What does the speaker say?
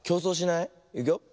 いくよ。